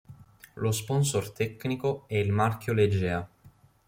Lo sponsor tecnico è il marchio Legea.